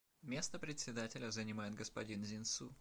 Место Председателя занимает господин Зинсу.